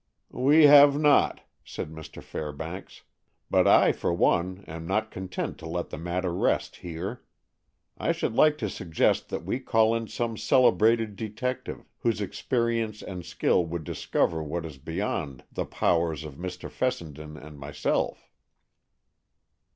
"We have not," said Mr. Fairbanks; "but I for one am not content to let the matter rest here. I should like to suggest that we call in some celebrated detective, whose experience and skill would discover what is beyond the powers of Mr. Fessenden and myself."